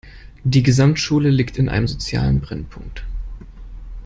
Die Gesamtschule liegt in einem sozialen Brennpunkt.